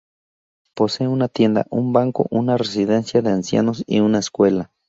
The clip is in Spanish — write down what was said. Posee una tienda, un banco, una residencia de ancianos y una escuela.